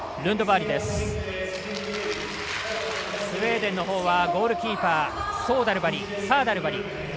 スウェーデンのほうはゴールキーパー、サーダルバリ。